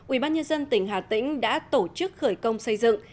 ubnd tỉnh hà tĩnh đã tổ chức khởi công xây dựng